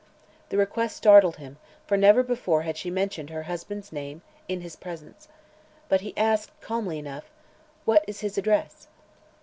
The request startled him, for never before had she mentioned her husband's name in his presence. But he asked, calmly enough: "What is his address?"